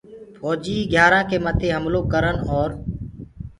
ڦوجيٚ گھيارآنٚ ڪي مٿي هملو ڪرن اور